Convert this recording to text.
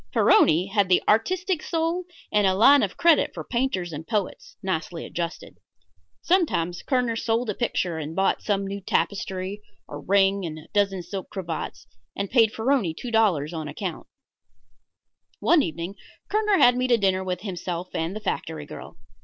Farroni had the artistic soul and a line of credit for painters and poets, nicely adjusted. Sometimes Kerner sold a picture and bought some new tapestry, a ring and a dozen silk cravats, and paid Farroni two dollars on account. One evening Kerner had me to dinner with himself and the factory girl.